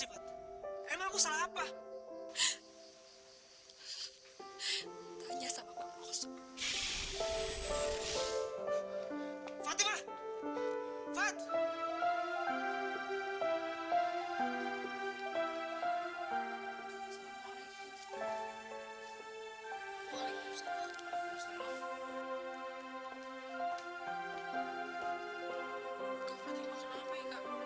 hubungan kita sampai disini